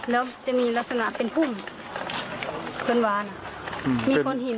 แล้วจะมีลักษณะเป็นพุ่มเพื่อนว้าวนะมีก้อนหิน